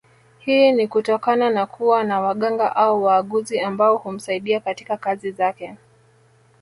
Hii ni kutokana na kuwa na waganga au waaguzi ambao humsaidia katika kazi zake